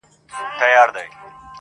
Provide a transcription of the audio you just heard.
o پیرمحمد په ملغلرو بار کاروان دی,